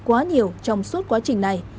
quá nhiều trong suốt quá trình này